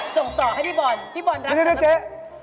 ส่งต่อให้พี่บอลพี่บอลรักนะครับไม่เจ๊